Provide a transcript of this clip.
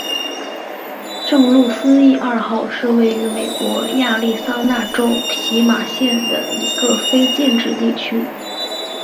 圣路易斯二号是位于美国亚利桑那州皮马县的一个非建制地区。